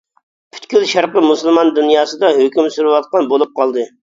پۈتكۈل شەرقى مۇسۇلمان دۇنياسىدا ھۆكۈم سۈرۈۋاتقان بولۇپ قالدى.